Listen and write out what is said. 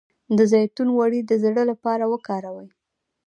د زیتون غوړي د زړه لپاره وکاروئ